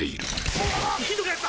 うわひどくなった！